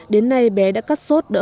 đến nay bé đã cắt sốt đỡ hò